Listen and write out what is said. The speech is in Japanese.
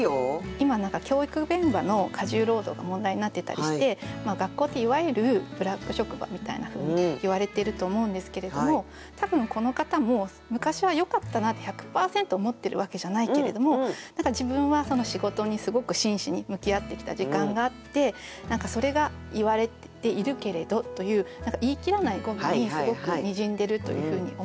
今何か教育現場の過重労働が問題になってたりして学校っていわゆるブラック職場みたいなふうにいわれていると思うんですけれども多分この方も昔はよかったなって１００％思ってるわけじゃないけれども何か自分は仕事にすごく真摯に向き合ってきた時間があって何かそれが「言はれてゐるけれど」という言い切らない語尾にすごくにじんでるというふうに思いました。